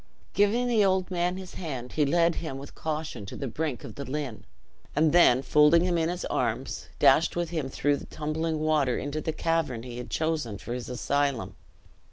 Giving the old man his hand, he led him with caution to the brink of the Lynn; and then, folding him in his arms, dashed with him through the tumbling water into the cavern he had chosen for his asylum.